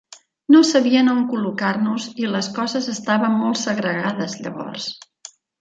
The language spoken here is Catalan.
No sabien on col·locar-nos i les coses estaven molt segregades llavors.